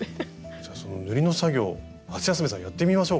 じゃその塗りの作業ハシヤスメさんやってみましょうか。